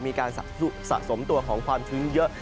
มีการสะสมตัวของความชื้นเยอะ